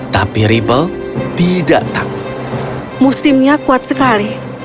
tapi ripple tidak tahu apa yang akan terjadi